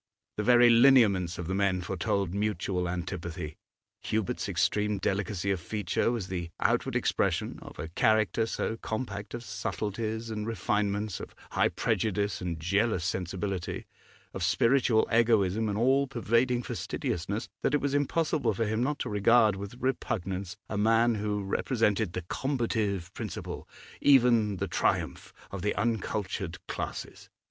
The very lineaments of the men foretold mutual antipathy. Hubert's extreme delicacy of feature was the outward expression of a character so compact of subtleties and refinements, of high prejudice and jealous sensibility, of spiritual egoism and all pervading fastidiousness, that it was impossible for him not to regard with repugnance a man who represented the combative principle, even the triumph, of the uncultured classes.